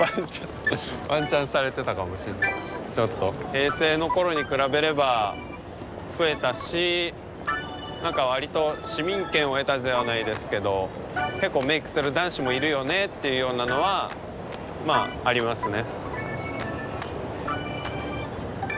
平成のころに比べれば増えたし何かわりと市民権を得たではないですけど結構メイクする男子もいるよねっていうようなのはまあありますね。